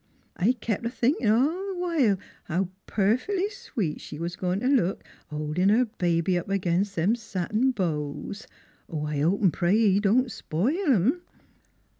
I kep* a thinkin' all th' while how perfec'ly sweet she was a goin' t' look a holdin' her baby up against them satin bows. ... I hope 'n' pray he don't spile 'em."